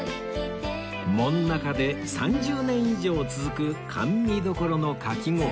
門仲で３０年以上続く甘味処のかき氷